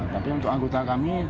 tapi untuk anggota kami